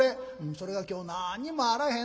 「それが今日何にもあらへんの」。